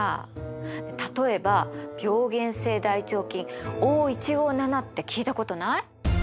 例えば病原性大腸菌Ｏ１５７って聞いたことない？